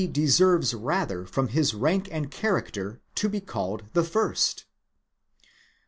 deserves rather from his rank and character to be called the first."